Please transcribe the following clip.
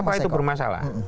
kenapa itu bermasalah